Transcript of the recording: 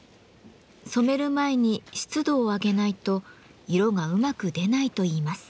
染める前に湿度を上げないと色がうまく出ないといいます。